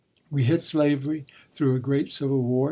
We hit slavery through a great civil war.